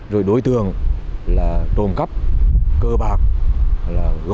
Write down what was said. rồi đối tượng là trộm cắp cơ bạc gọi hỏi răn đe